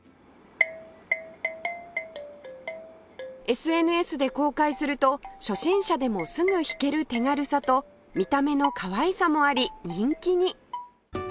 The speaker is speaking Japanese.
ＳＮＳ で公開すると初心者でもすぐ弾ける手軽さと見た目のかわいさもあり人気に